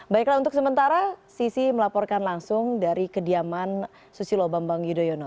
baiklah untuk sementara sisi melaporkan langsung dari kediaman susilo bambang yudhoyono